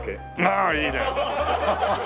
ああいいね。